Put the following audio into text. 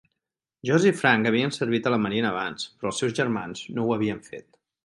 George i Frank havien servit a la Marina abans, però els seus germans no ho havien fet.